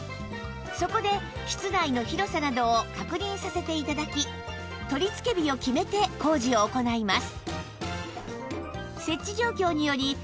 そこで室内の広さなどを確認させて頂き取り付け日を決めて工事を行います